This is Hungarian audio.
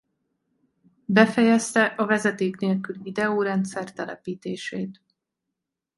Befejezte a vezeték nélküli videó rendszer telepítését.